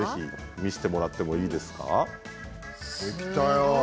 見せてもらっていいですか？